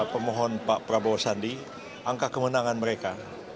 pemohon pak prabowo sandi angka kemenangan mereka